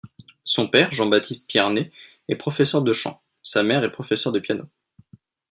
Son père, Jean-Baptiste Pierné est professeur de chant, sa mère est professeur de piano.